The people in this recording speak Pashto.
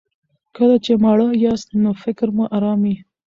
کله چې مړه یاست نو فکر مو ارام وي.